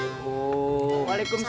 waalaikumsalam kong haji